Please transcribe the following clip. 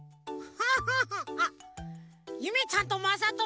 ハハハ。